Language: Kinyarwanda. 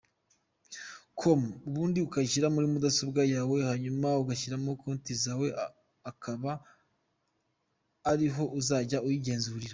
com, ubundi ukayishyira muri mudasobwa yawe hanyuma ugashyiramo konti zawe akaba ariho uzajya uzigenzururira.